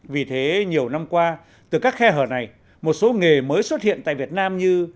vì thế nhiều năm qua từ các khe hở này một số nghề mới xuất hiện tại việt nam như